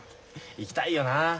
行きたいよな。